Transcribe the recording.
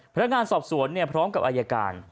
พนักงานสอบสวนพร้อมกับอายการ